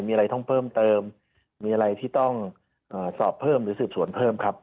มีอะไรต้องเพิ่มเติมมีอะไรที่ต้องสอบเพิ่มหรือสืบสวนเพิ่มครับ